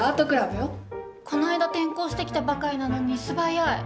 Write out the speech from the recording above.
この間転校してきたばかりなのに素早い。